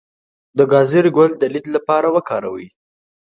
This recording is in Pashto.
د ګازرې ګل د لید لپاره وکاروئ